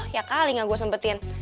ya kali gak gue sempetin